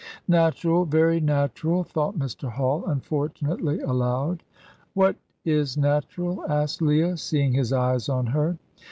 "Natural, very natural," thought Mr. Hall, unfortunately aloud. "What is natural?" asked Leah, seeing his eyes on her.